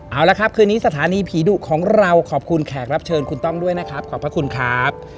เอาละครับคืนนี้สถานีผีดุของเราขอบคุณแขกรับเชิญคุณต้องด้วยนะครับขอบพระคุณครับ